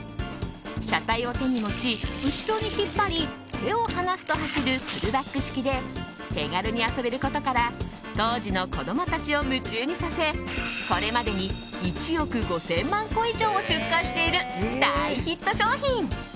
車体を手に持ち、後ろに引っ張り手を放すと走るプルバック式で手軽に遊べることから当時の子供たちを夢中にさせこれまでに１億５０００万個以上を出荷している大ヒット商品。